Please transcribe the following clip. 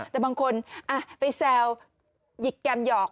แต่บางคนไปแซวหยิกแกมหยอก